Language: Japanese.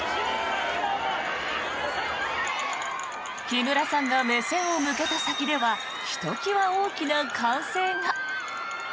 木村さんが目線を向けた先ではひときわ大きな歓声が。